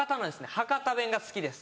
博多弁が好きです。